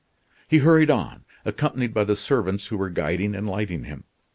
He hurried on, accompanied by the servants who were guiding and lighting him.